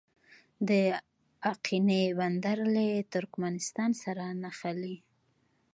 د اقینې بندر له ترکمنستان سره نښلي